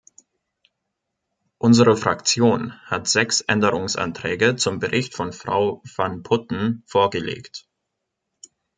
Unsere Fraktion hat sechs Änderungsanträge zum Bericht von Frau van Putten vorgelegt.